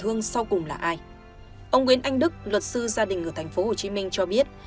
ông nguyễn anh đức luật sư gia đình ở tp hcm cho biết